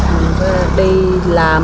mình phải đi làm